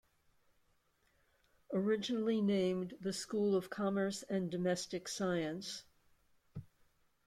Originally named the "School of Commerce and Domestic Science".